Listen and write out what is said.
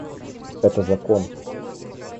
Это закон.